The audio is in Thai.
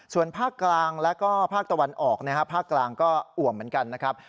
ส่วนภาคกลางแล้วก็ภาคตะวันออกนะครับภาคกลางก็อ่วมเหมือนกันนะครับ